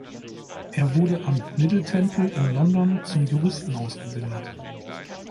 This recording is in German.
Er wurde am Middle Temple in London zum Juristen ausgebildet.